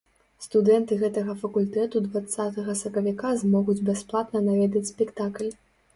Студэнты гэтага факультэту дваццатага сакавіка змогуць бясплатна наведаць спектакль.